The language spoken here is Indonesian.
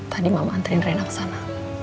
tadi mama anterin reina kesana